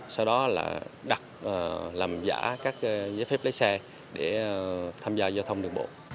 sau đó là đặt làm giả các giấy phép lấy xe để tham gia giao thông đường bộ